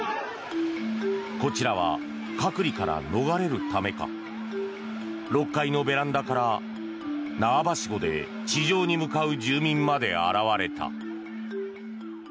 こちらは隔離から逃れるためか６階のベランダから縄ばしごで地上に向かう住民まで現れた。